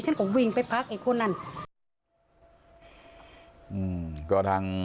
ฉันก็วิ่งไปพักไอ้คนนั้น